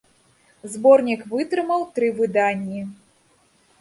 Зборнік вытрымаў тры выданні.